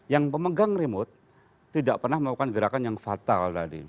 yang pemegang remote tidak pernah melakukan gerakan yang fatal tadi